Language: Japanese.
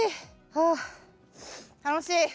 はあ楽しい！